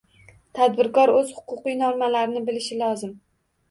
Tadbirkor o‘z huquqiy normalarini bilishi lozim